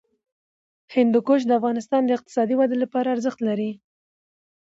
هندوکش د افغانستان د اقتصادي ودې لپاره ارزښت لري.